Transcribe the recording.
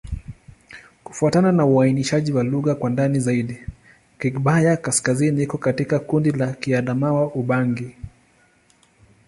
Kufuatana na uainishaji wa lugha kwa ndani zaidi, Kigbaya-Kaskazini iko katika kundi la Kiadamawa-Ubangi.